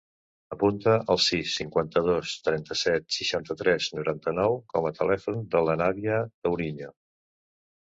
Apunta el sis, cinquanta-dos, trenta-set, seixanta-tres, noranta-nou com a telèfon de l'Anabia Touriño.